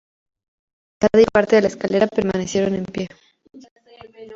Solo la fachada y parte de la escalera permanecieron en pie.